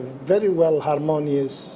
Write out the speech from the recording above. tendensi yang sangat harmonis